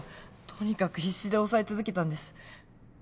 とにかく必死で押さえ続けたんです。